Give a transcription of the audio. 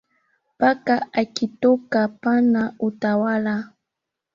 Paka akitoka pana hutawala